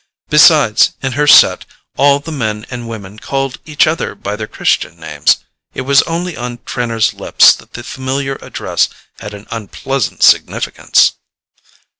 Besides, in her set all the men and women called each other by their Christian names; it was only on Trenor's lips that the familiar address had an unpleasant significance.